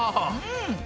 うん！